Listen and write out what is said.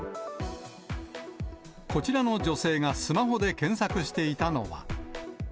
こちらの女性がスマホで検索していたのは。